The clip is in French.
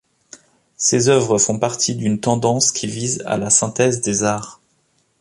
Ses œuvres font partie d'une tendance qui vise à la synthèse des arts.